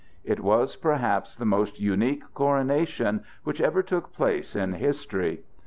It was, perhaps, the most unique coronation which ever took place in history.